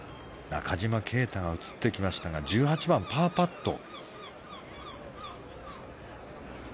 中島啓太が映ってきましたが１８番、パーパット。